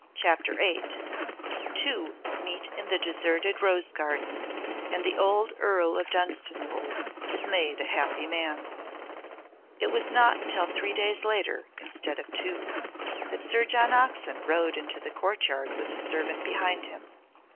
CHAPTER VIII Two meet in the deserted rose garden, and the old Earl of Dunstanwolde is made a happy man It was not until three days later, instead of two, that Sir John Oxon rode into the courtyard with his servant behind him.